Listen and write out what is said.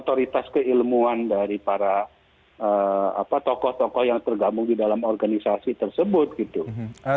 otoritas keilmuan dari para tokoh tokoh yang tergabung di dalam organisasi tersebut gitu